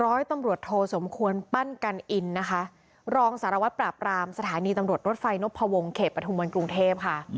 ร้อยตำรวจโทสมควรปั้นกันอินนะคะรองสารวัตรปราบรามสถานีตำรวจรถไฟนพวงเขตปฐุมวันกรุงเทพค่ะ